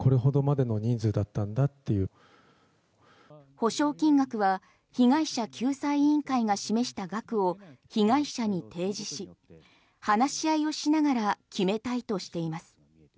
補償金額は被害者救済委員会が示した額を被害者に提示し話し合いをしながら決めたいとしています。